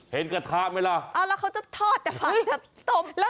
เห็นกะทะไหมล่ะอ้าวเขาจะทอดอื้อ